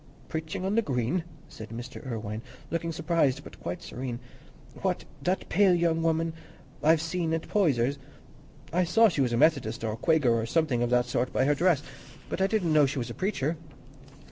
"Preaching on the Green!" said Mr. Irwine, looking surprised but quite serene. "What, that pale pretty young woman I've seen at Poyser's? I saw she was a Methodist, or Quaker, or something of that sort, by her dress, but I didn't know she was a preacher."